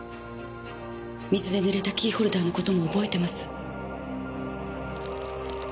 水でぬれたキーホルダーの事も覚えてます。